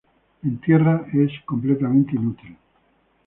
En tierra, es completamente inútil".